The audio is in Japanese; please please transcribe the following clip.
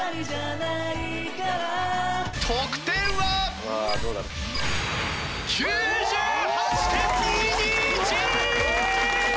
得点は！？９８．２２１！